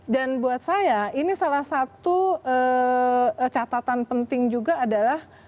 dan buat saya ini salah satu catatan penting juga adalah